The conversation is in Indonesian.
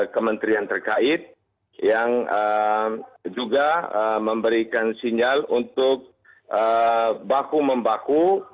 kementerian terkait yang juga memberikan sinyal untuk baku membaku